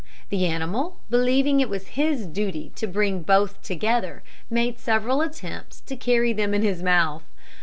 The animal, believing it was his duty to bring both together, made several attempts to carry them in his mouth.